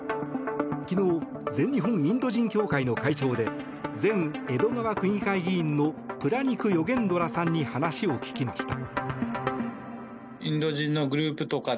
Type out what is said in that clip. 昨日全日本インド人協会の会長で前江戸川区議会議員のプラニク・ヨゲンドラさんに話を聞きました。